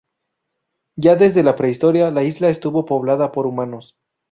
Ya desde la prehistoria la isla estuvo poblada por humanos.